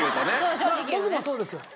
僕もそうです。